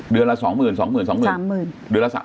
เดือนละ๒หมื่น๒หมื่น๒หมื่น